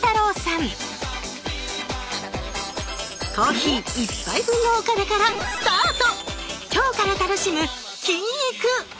コーヒー１杯分のお金からスタート！